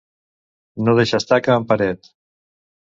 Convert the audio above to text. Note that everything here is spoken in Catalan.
No deixar estaca en paret.